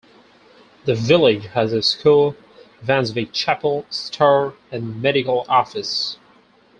The village has a school, Vangsvik Chapel, store, and medical office.